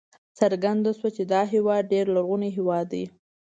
څرګنده شوه چې دا هېواد ډېر لرغونی هېواد دی.